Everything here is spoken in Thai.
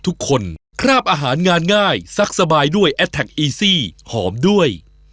ทุกคนคราบอาหารงานง่ายซักสบายด้วยแอดแท็กอีซี่หอมด้วย